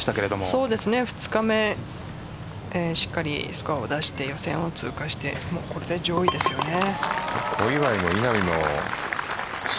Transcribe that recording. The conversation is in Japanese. そうですね、２日目しっかりいいスコアを出して予選を通過してこれで上位ですよね。